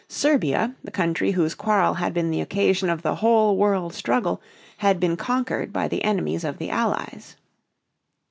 Serbia, the country whose quarrel had been the occasion of the whole world struggle, had been conquered by the enemies of the Allies.